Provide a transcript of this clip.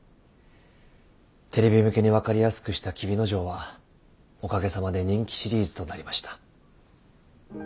テレビ向けに分かりやすくした「黍之丞」はおかげさまで人気シリーズとなりました。